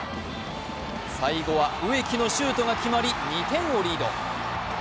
最後は植木のシュートが決まり２点をリード。